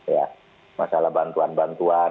ya masalah bantuan bantuan